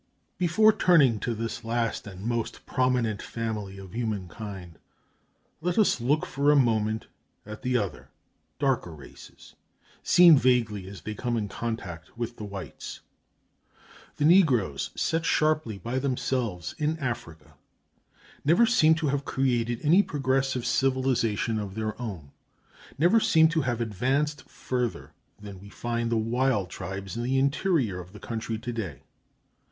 [Footnote 5: See Rise and Fall of Assyria, page 105.] Before turning to this last and most prominent family of humankind, let us look for a moment at the other, darker races, seen vaguely as they come in contact with the whites. The negroes, set sharply by themselves in Africa, never seem to have created any progressive civilization of their own, never seem to have advanced further than we find the wild tribes in the interior of the country to day.